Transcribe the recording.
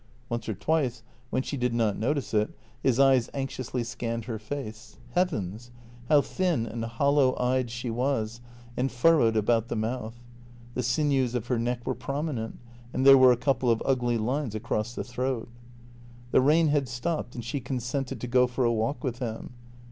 Once or twice, when she did not notice it, his eyes anxiously scanned her face — heavens ! how thin and hollow eyed she was, and furrowed about the mouth. The sinews of her neck were prominent, and there were a couple of ugly lines across the throat. The rain had stopped, and she consented to go for a walk with him.